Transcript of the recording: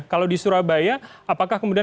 kalau di surabaya apakah kemudian